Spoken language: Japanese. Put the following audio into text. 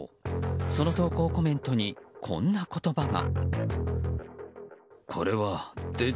その投稿コメントにこんな言葉が。